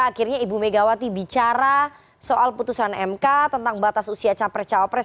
akhirnya ibu megawati bicara soal putusan mk tentang batas usia capres cawapres